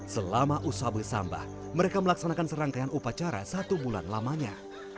selama usah bersambah mereka melaksanakan serangkaian upacara satu bulan lamanya